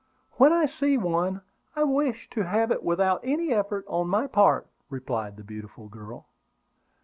When I see one I wish to have it without any effort on my part," replied the beautiful girl.